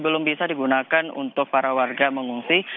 belum bisa digunakan untuk para warga mengungsi